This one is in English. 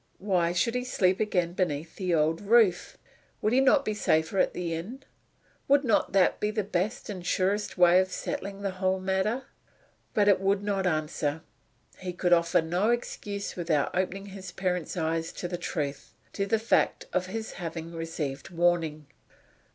Why should he sleep again beneath the old roof? Would he not be safer at the inn? Would not that be the best and surest way of settling the whole matter? But it would not answer. He could offer no excuse without opening his parent's eyes to the truth to the fact of his having received warning.